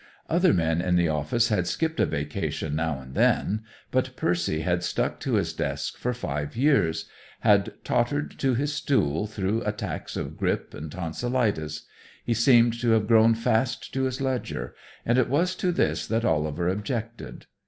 Other men in the office had skipped a vacation now and then, but Percy had stuck to his desk for five years, had tottered to his stool through attacks of grippe and tonsilitis. He seemed to have grown fast to his ledger, and it was to this that Oliver objected.